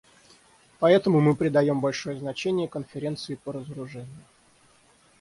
Поэтому мы придаем большое значение Конференции по разоружению.